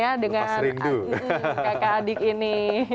ya dengan kakak adik ini